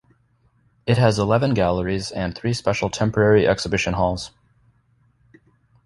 It has eleven galleries and three special temporary exhibition halls.